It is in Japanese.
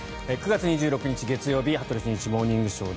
９月２６日、月曜日「羽鳥慎一モーニングショー」。